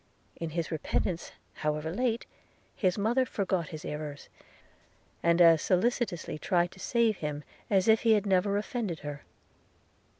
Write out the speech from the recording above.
In his repentance, however late, his mother forgot his errors, and as solicitously tried to save him as if he had never offended her.